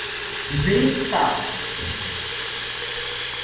V part.